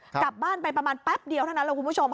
กลับบ้านไปประมาณแป๊บเดียวเท่านั้นแหละคุณผู้ชม